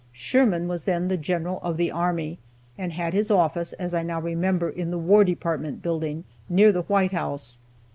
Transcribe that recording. Sherman was then the General of the Army, and had his office, as I now remember, in the War Department building, near the White House.